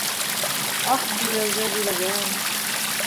Аҡ биләүгә биләгән